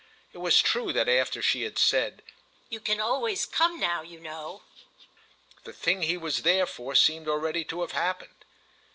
It was true that after she had said "You can always come now, you know," the thing he was there for seemed already to have happened.